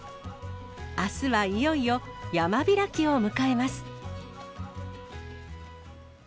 あすはいよいよ山開きを迎えます。